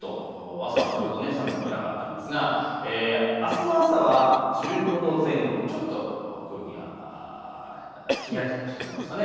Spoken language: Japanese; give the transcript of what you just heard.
朝はそれほど寒くはなかったんですがあすの朝は１５度前後、ちょっと空気がひんやりとしてきます。